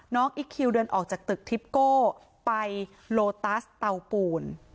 อิ๊กคิวเดินออกจากตึกทิปโก้ไปโลตัสเตาปูน